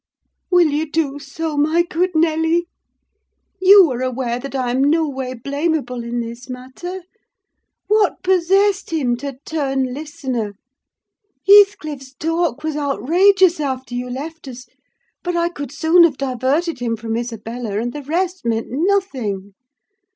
Will you do so, my good Nelly? You are aware that I am no way blamable in this matter. What possessed him to turn listener? Heathcliff's talk was outrageous, after you left us; but I could soon have diverted him from Isabella, and the rest meant nothing.